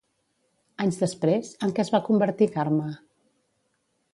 Anys després, en què es va convertir Carme?